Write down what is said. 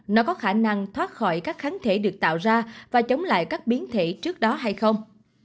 nó có khả năng thoát khỏi các kháng thể được tạo ra và chống lại các biến thể trước đó hay không